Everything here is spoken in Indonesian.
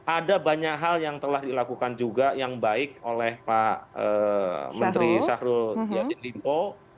ada banyak hal yang telah dilakukan juga yang baik oleh pak menteri syahrul yasin limpo